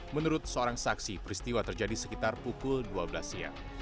menurut seorang saksi peristiwa terjadi sekitar pukul dua belas siang